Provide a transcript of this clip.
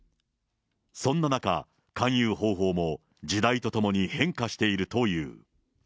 そんな中、勧誘方法も時代とともに変化しているという。